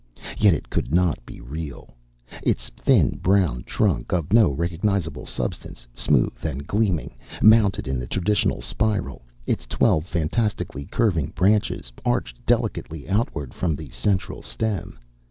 Yet it could not be real. Its thin brown trunk, of no recognizable substance, smooth and gleaming, mounted in the traditional spiral; its twelve fantastically curving branches arched delicately outward from the central stem.